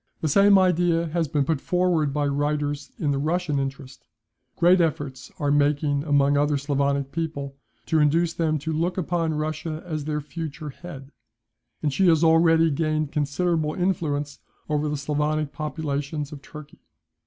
"The same idea has been put forward by writers in the Russian interest; great efforts are making among other Sclavonic people, to induce them to look upon Russia as their future head; and she has already gained considerable influence over the Sclavonic populations of Turkey."